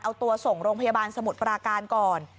เอาตัวส่งโรงพยาบาลสมุทรปราการก่อน